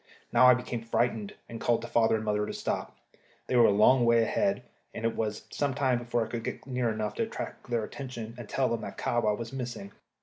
Now I became frightened, and called to father and mother to stop. They were a long way ahead, and it was some time before I could get near enough to attract their attention and tell them that Kahwa was missing.